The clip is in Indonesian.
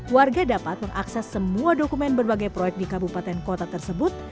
warga dapat mengakses semua dokumen berbagai proyek di kabupaten kota tersebut